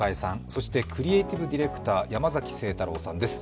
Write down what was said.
そしてクリエイティブ・ディレクター、山崎晴太郎さんです。